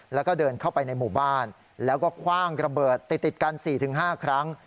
แล้วก็เดินเข้าไปในหมู่บ้านแล้วก็คว่างระเบิดติดกัน๔๕ครั้ง